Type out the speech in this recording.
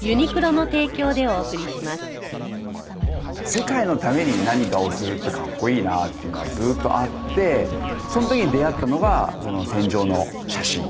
世界のために何かをするってかっこいいなっていうのはずっとあってその時に出会ったのが戦場の写真。